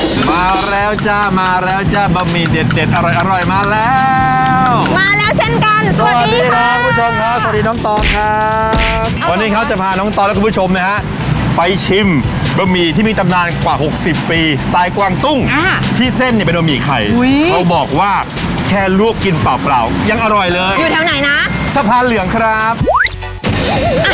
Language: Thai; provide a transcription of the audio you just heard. มาแล้วมาแล้วมาแล้วมาแล้วมาแล้วมาแล้วมาแล้วมาแล้วมาแล้วมาแล้วมาแล้วมาแล้วมาแล้วมาแล้วมาแล้วมาแล้วมาแล้วมาแล้วมาแล้วมาแล้วมาแล้วมาแล้วมาแล้วมาแล้วมาแล้วมาแล้วมาแล้วมาแล้วมาแล้วมาแล้วมาแล้วมาแล้วมาแล้วมาแล้วมาแล้วมาแล้วมาแล้วมาแล้วมาแล้วมาแล้วมาแล้วมาแล้วมาแล้วมาแล้วมาแล้